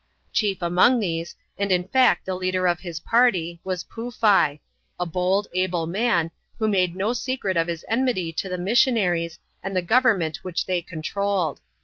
Chief among these, and in fact the leader of his party, was Poofai ; a bold, able man, who made no secret of his enmity to the missionaries, and the government which they controlled.